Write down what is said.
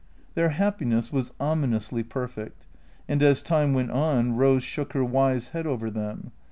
Their happiness was ominously perfect. And as time went on Eose shook her wise head over them.